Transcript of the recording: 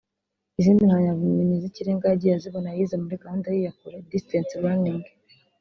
Izindi mpamyabumenyi z’ikirenga yagiye azibona yize muri gahunda y’iya kure (Distance Learning)